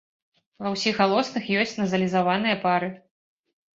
Ва ўсіх галосных ёсць назалізаваныя пары.